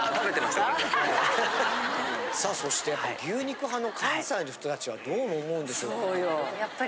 さあそして牛肉派の関西の人たちはどう思うんでしょうか？